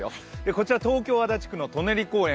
こちら東京・足立区の舎人公園